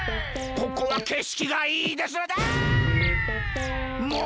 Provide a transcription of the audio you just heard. ここはけしきがいいですねああ！